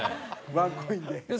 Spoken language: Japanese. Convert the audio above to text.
ワンコインで。